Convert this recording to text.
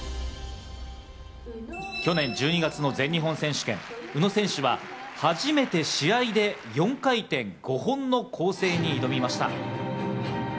去年１２月の全日本選手権、宇野選手は初めて試合で４回転５本の構成に挑みました。